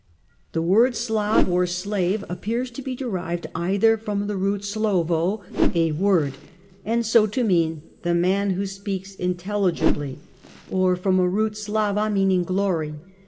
The word " slav " or " slave " appears o be derived either from the root slovo (a word) and so ;o mean " the man who speaks intelligibly," or from a 64 THE DAWN OF MEDIEVAL EUROPE root slava, meaning "glory".